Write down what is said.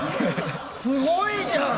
すごいじゃん！